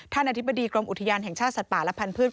อธิบดีกรมอุทยานแห่งชาติสัตว์ป่าและพันธุ์